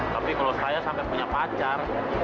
tapi kalau saya sampai punya pacar